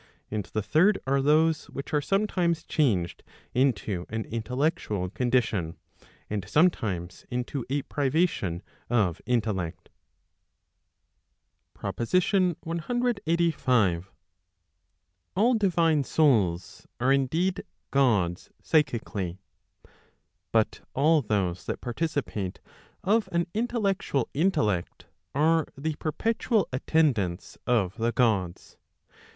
And the third are those, which are sometimes changed into an intellectual condition, and sometimes into a privation of intellect. PROPOSITION CLXXXV. All [divine] * souls, are indeed Gods psychically. But all those that participate of an intellectual intellect, are the perpetual attendants of the Gods.